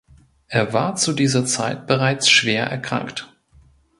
Er war zu dieser Zeit bereits schwer erkrankt.